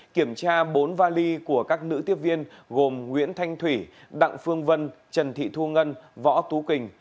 kiểm tra bốn vali của các nữ tiếp viên gồm nguyễn thanh thủy đặng phương vân trần thị thu ngân võ tú quỳnh